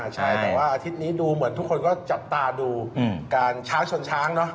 ใช่แต่ว่าอาทิตย์นี้ดูเหมือนทุกคนก็จับตาดูการช้างชนช้างเนอะ